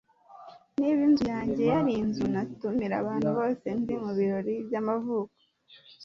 Niba inzu yanjye yari inzu, natumira abantu bose nzi mubirori byamavuko.